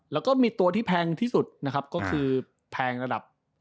แล้วก็มีตัวที่แพงที่สุดนะครับก็คือแพงระดับ